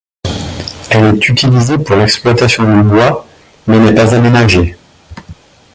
Elle est utilisée pour l'exploitation du bois mais n'est pas aménagée.